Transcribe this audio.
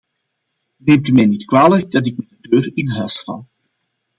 Neemt u mij niet kwalijk dat ik met de deur in huis val.